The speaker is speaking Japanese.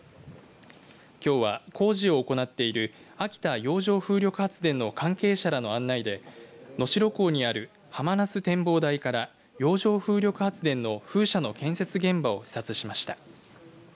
きょうは、工事を行っている秋田洋上風力発電の関係者らの案内で能代港にあるはまなす展望台から洋上風力発電の風車の建設現場を視察しました。